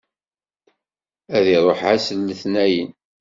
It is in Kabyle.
Ad iṛuḥ ass n letnayen.